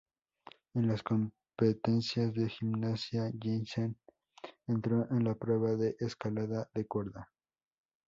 En las competencias de gimnasia, Jensen entró en la prueba de escalada de cuerda.